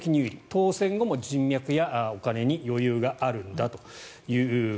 当選後も人脈やお金に余裕があるんだと。